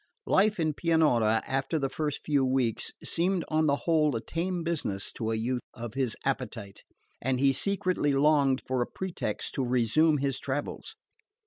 Life in Pianura, after the first few weeks, seemed on the whole a tame business to a youth of his appetite; and he secretly longed for a pretext to resume his travels.